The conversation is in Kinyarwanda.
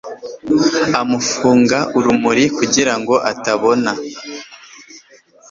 amufunga urumuri kugirango atabona